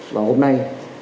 và hôm nay